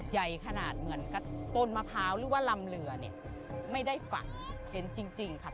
ใหญ่ขนาดเหมือนกับต้นมะพร้าวหรือว่าลำเรือเนี่ยไม่ได้ฝันเห็นจริงค่ะ